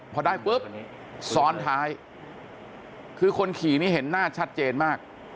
พอได้ปุ๊บซ้อนท้ายคือคนขี่นี่เห็นหน้าชัดเจนมาก